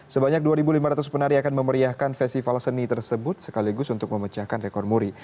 sebanyak dua lima ratus penari akan memeriahkan festival seni tersebut sekaligus untuk memecahkan rekor muri